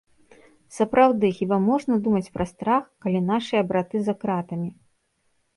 Сапраўды, хіба можна думаць пра страх, калі нашыя браты за кратамі.